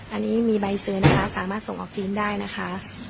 อันนี้มีใบซื้อนะคะสามารถส่งออกจีนได้นะคะ